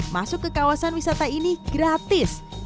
masuk ke kawasan wisata ini gratis